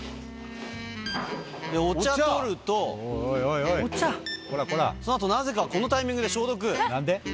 お茶を取ると、そのあと、なぜかこのタイミングで消毒。